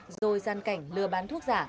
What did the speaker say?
rồi gian cảnh lừa bán thuốc giả